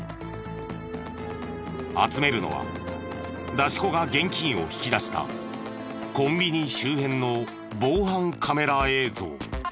集めるのは出し子が現金を引き出したコンビニ周辺の防犯カメラ映像。